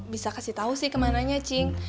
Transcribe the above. bisa kasih tau sih kemananya cing